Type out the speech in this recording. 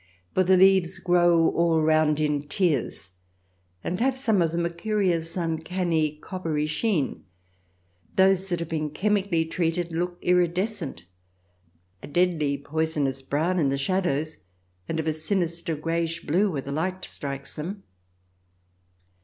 For the leaves grow all round in tiers and have, some of them, a curious, uncanny, coppery sheen. Those that have been chemically treated look iridescent — a deadly poison ous brown in the shadows, and of a sinister, greyish blue where the light strikes them.